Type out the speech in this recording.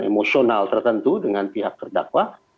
emosional tertentu dengan pihak terdakwa